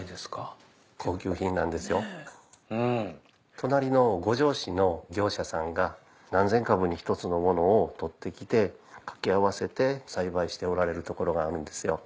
隣の五條市の業者さんが何千株に１つのものを取って来て掛け合わせて栽培しておられる所があるんですよ。